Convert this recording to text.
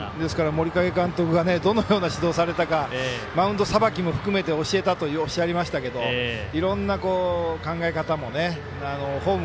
森影監督がどのような指導をされたかマウンドさばきも含めて教えたとおっしゃりましたけどいろんな考え方もフォーム